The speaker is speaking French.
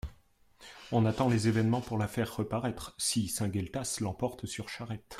On attend les événements pour la faire reparaître, si Saint-Gueltas l'emporte sur Charette.